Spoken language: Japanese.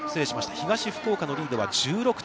東福岡のリードは１６点。